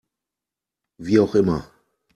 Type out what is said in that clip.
Wie auch immer.